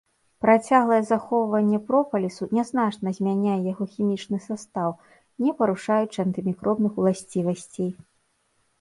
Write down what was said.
Працяглае захоўванне пропалісу нязначна змяняе яго хімічны састаў, не парушаючы антымікробных уласцівасцей.